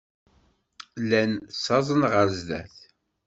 Llan ttaẓen ɣer sdat.